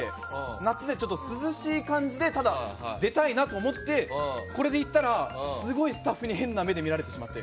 夏で涼しい感じで出たいなと思ってこれで行ったら、スタッフに変な目で見られてしまって。